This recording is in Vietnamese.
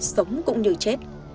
sống cũng như chết